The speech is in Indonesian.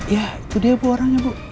ya itu dia bu orangnya bu